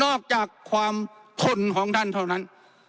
ออกจากความทนของท่านเท่านั้น